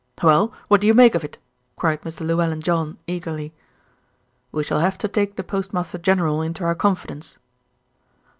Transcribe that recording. "Well! what do you make of it?" cried Mr. Llewellyn John eagerly. "We shall have to take the Postmaster general into our confidence."